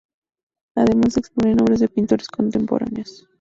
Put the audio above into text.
Además se exponen obras de pintores contemporáneos.